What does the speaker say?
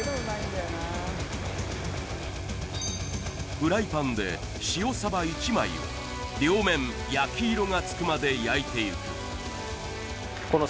フライパンで塩サバ１枚を両面焼き色が付くまで焼いていく